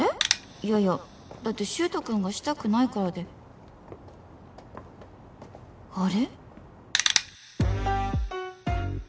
いやいやだって柊人君がシたくないからであれ？